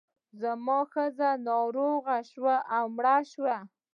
زما ښځه ناروغه شوه او مړه شوه.